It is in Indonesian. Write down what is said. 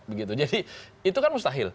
begitu jadi itu kan mustahil